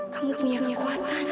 kamu punya kekuatan